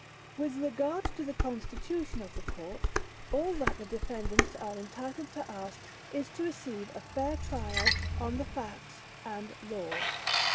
With regard to the constitution of the Court, all that the defendants are entitled to ask is to receive a fair trial on the facts and law.